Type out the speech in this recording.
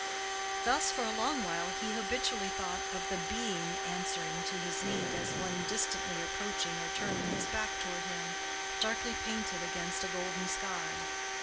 Thus, for a long while, he habitually thought of the Being answering to his need as one distantly approaching or turning his back toward him, darkly painted against a golden sky.